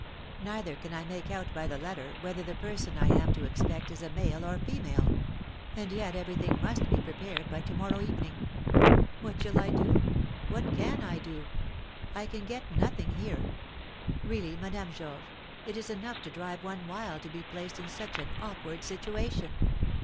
Neither can I make out by the letter whether the person I am to expect is a male or female; and yet every thing must be prepared by to morrow evening. What shall I do? What can I do? I can get nothing here. Really, Madame Georges, it is enough to drive one wild to be placed in such an awkward situation."